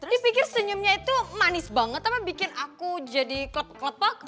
dia pikir senyumnya itu manis banget ama bikin aku jadi klepok klepok